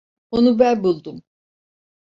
Onu ben buldum.